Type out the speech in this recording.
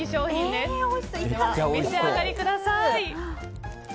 では、お召し上がりください。